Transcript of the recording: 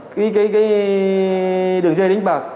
cái đường dây đánh bạc